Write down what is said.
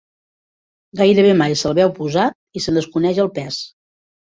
Gairebé mai se'l veu posat i se'n desconeix el pes.